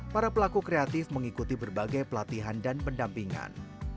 para pelaku kreatif dan pelaku kreatif yang dikontak sama bkdt